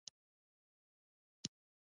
مصنوعي ځیرکتیا د ټولنیزو بدلونونو لوری ټاکي.